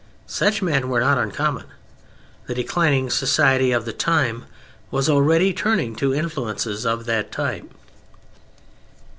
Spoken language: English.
Such men were not uncommon. The declining society of the time was already turning to influences of that type.